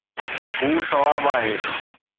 هو سواب آهي